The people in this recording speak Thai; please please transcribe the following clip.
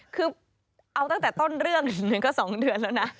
คือเอาตั้งแต่ต้นเรื่องหนึ่งก็๒เดือนแล้วนะ